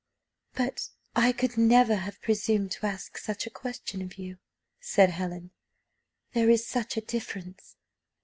"But I could never have presumed to ask such a question of you," said Helen, "there is such a difference."